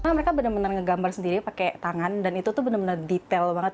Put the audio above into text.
mereka benar benar menggambar sendiri pakai tangan dan itu benar benar detail banget